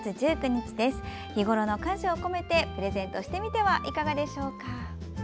日ごろの感謝を込めてプレゼントしてみてはいかがでしょうか。